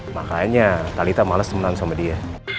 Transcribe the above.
makanya talitha males temenan sama dia